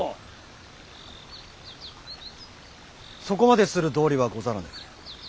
そこまでする道理はござらぬ。